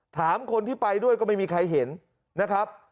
ถามคนที่ไปด้วยก็ไม่มีใครเห็นนะครับ